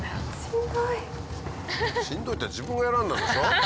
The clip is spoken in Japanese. しんどいって自分が選んだんでしょ。